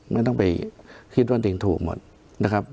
ไม่ต้องไปคิดว่าตัวเองถูกหมดนะครับ